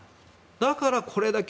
だから、これだけ。